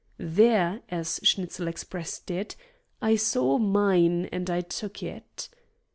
There, as Schnitzel expressed it, "I saw 'mine,' and I took it."